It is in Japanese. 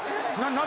何？